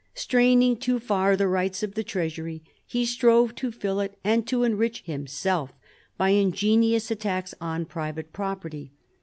Straining too far the rights of the treasury, he strove to lill it and to enrich himself by ingenious attacks on private property.